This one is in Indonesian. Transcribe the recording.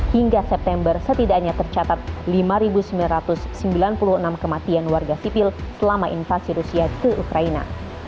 hingga september setidaknya tercatat lima sembilan ratus sembilan puluh enam kematian warga sipil selama invasi rusia ke ukraina